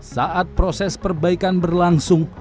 saat proses perbaikan berlangsung